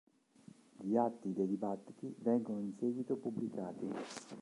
Gli atti dei dibattiti vengono in seguito pubblicati.